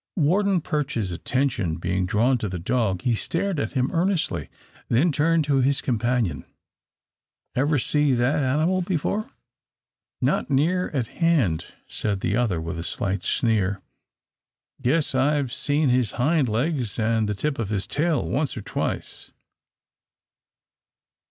Warden Perch's attention being drawn to the dog, he stared at him earnestly, then turned to his companion. "Ever see that animal before?" "Not near at hand," said the other, with a slight sneer. "Guess' I've seen his hind legs and the tip of his tail once or twice."